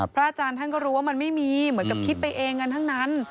พระอาจารย์ท่านก็รู้ว่ามันไม่มีเหมือนกับคิดไปเองกันทั้งนั้น